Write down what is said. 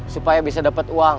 supaya bisa dapet uang